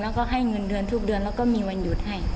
แล้วก็ให้เงินเดือนทุกเดือนแล้วก็มีวันหยุดให้